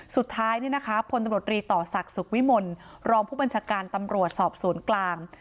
สุดท้ายพลตำรวจรีต่อศักดิ์สุขวิมลรองผู้บัญชาการตำรวจสอบสวนกลาง